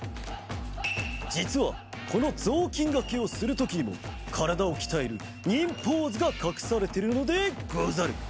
じつはこのぞうきんがけをするときにもからだをきたえる忍ポーズがかくされてるのでござる。